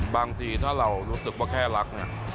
บางทีถ้าเรารู้สึกว่าแค่รักเนี่ย